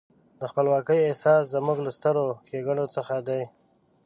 د خپلواکۍ احساس زموږ له سترو ښېګڼو څخه دی.